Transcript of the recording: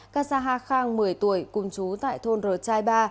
casa hakhang một mươi tuổi cùng chú tại thôn r chai ba